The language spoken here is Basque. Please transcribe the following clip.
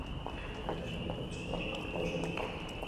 Beraz, bere kontsumoa asko igo zen.